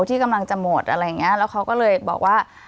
ที่กำลังจะหมดอะไรอย่างนี้แล้วเขาก็เลยบอกว่า